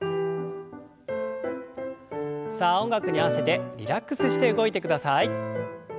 さあ音楽に合わせてリラックスして動いてください。